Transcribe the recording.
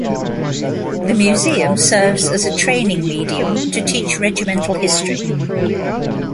The museum serves as a training medium to teach Regimental history.